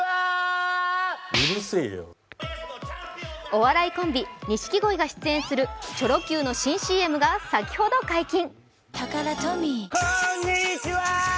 お笑いコンビ・錦鯉が出演するチョロＱの新ＣＭが先ほど解禁。